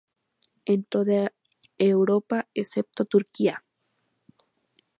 En toda Europa excepto Turquía.